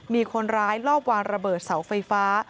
มีคนร้ายลอบวางระเบิดเสาไฟฟ้า